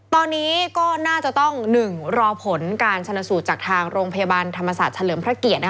ตอนนี้ก็น่าจะต้อง๑รอผลการชนสูตรจากทางโรงพยาบาลธรรมศาสตร์เฉลิมพระเกียรติ